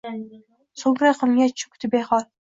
So’ngra qumga cho’kdi behol